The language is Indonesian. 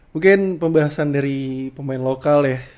mungkin pembahasan dari pemain lokal ya